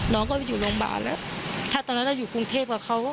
น้องก็อยู่โรงพยาบาลแล้วถ้าตอนนั้นเราอยู่กรุงเทพกับเขา